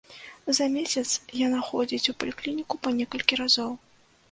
За месяц яна ходзіць у паліклініку па некалькі разоў.